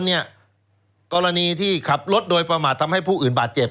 กรณีที่ขับรถโดยประมาททำให้ผู้อื่นบาดเจ็บ